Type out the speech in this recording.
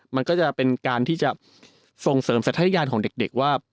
มันก็จะเป็นการที่จะส่งเสริมสัญญาณของเด็กว่า